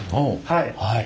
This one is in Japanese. はい。